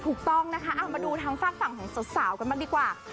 ถูกต้องนะคะมาดูทางฝากฝั่งของสาวกันบ้างดีกว่า